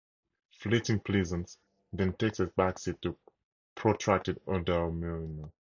Fleeting pleasance, then, takes a back seat to protracted eudaemonia.